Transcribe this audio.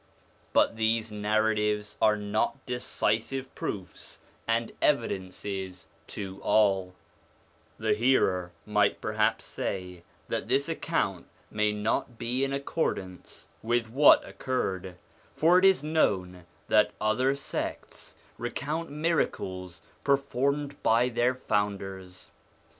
But these narratives are not decisive proofs and evidences to all ; the hearer might perhaps say that this account may not be in accord ance with what occurred, for it is known that other sects recount miracles performed by their founders.